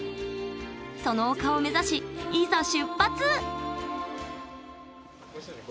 その丘を目指しいざ出発！